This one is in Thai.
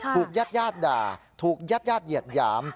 ถูกยาดด่าถูกยาดเหยียดหยาม